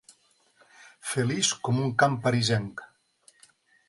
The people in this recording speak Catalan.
Feliç com un camp parisenc.